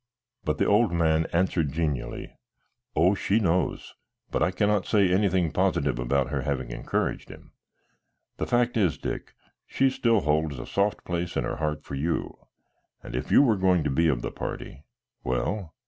But the old man answered genially: "Oh, she knows, but I cannot say anything positive about her having encouraged him. The fact is, Dick, she still holds a soft place in her heart for you, and if you were going to be of the party " "Well?"